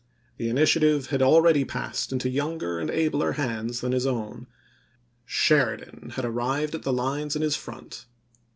The initiative had already passed into younger and abler hands than his own ; Sheridan had arrived at the lines in his front.